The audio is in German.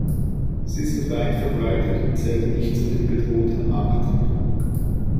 Sie sind weit verbreitet und zählen nicht zu den bedrohten Arten.